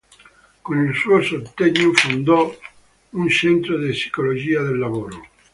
Con il suo sostegno fondò un centro di psicologia del lavoro.